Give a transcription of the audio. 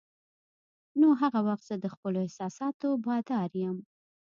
نو هغه وخت زه د خپلو احساساتو بادار یم.